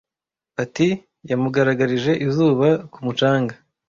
Patty yamugaragarije izuba ku mucanga.